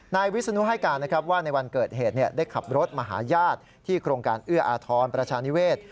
นายวิศนุให้การนะครับว่าในวันเกิดเหตุได้ขับรถมาหาญาติที่โครงการเอื้ออาทรประชานิเวศ